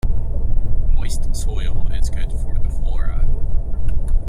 Moist soil is good for the flora.